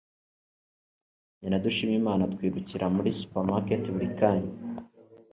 Jye na Dushimimana twirukira muri supermarket buri kanya